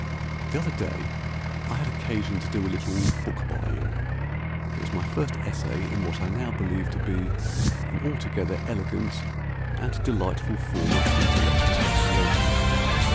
The other day I had occasion to do a little book buying. It was my first essay In what I now believe to be An altogether elegant and delightful form Of intellectual recreation.